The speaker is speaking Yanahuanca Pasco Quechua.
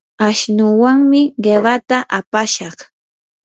ashnuwanmi qiwata apashaq.